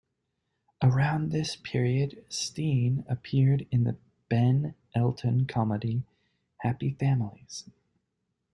Around this period Steen appeared in the Ben Elton comedy "Happy Families".